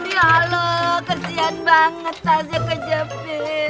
kesian banget tanya kejepit